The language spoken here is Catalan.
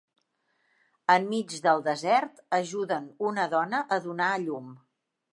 Enmig del desert, ajuden una dona a donar a llum.